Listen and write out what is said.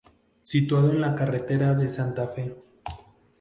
situado en la carretera de Santa Fé